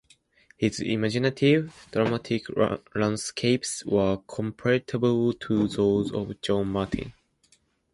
His imaginative, dramatic landscapes were comparable to those of John Martin.